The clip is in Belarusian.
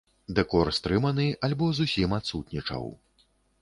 Дэкор стрыманы альбо зусім адсутнічаў.